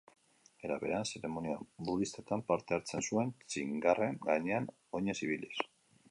Era berean, zeremonia budistetan parte hartzen zuen, txingarren gainean oinez ibiliz.